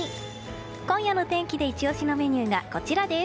今夜の天気でイチ押しのメニューがこちらです。